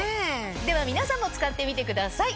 では皆さんも使ってみてください。